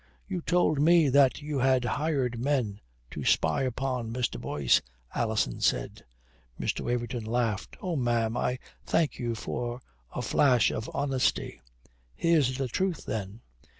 "You told me that you had hired men to spy upon Mr. Boyce," Alison said. Mr. Waverton laughed. "Oh, ma'am, I thank you for a flash of honesty. Here's the truth then.